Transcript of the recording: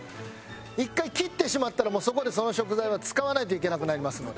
１回切ってしまったらもうそこでその食材は使わないといけなくなりますので。